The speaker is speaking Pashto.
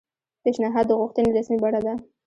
پیشنھاد د غوښتنې رسمي بڼه ده